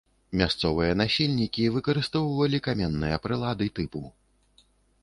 Мясцовыя насельнікі выкарыстоўвалі каменныя прылады тыпу.